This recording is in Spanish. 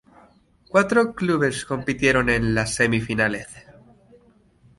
Cuatro clubes compitieron en las semifinales.